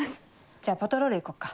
じゃあパトロール行こっか。